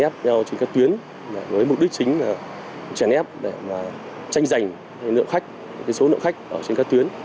chèn ép nhau trên các tuyến với mục đích chính là chèn ép để mà tranh giành nợ khách số nợ khách ở trên các tuyến